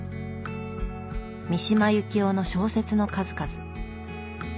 三島由紀夫の小説の数々。